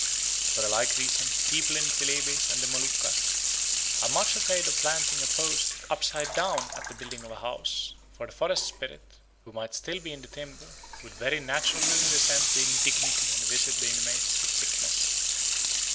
For a like reason people in Celebes and the Moluccas are much afraid of planting a post upside down at the building of a house; for the forest spirit, who might still be in the timber, would very naturally resent the indignity and visit the inmates with sickness.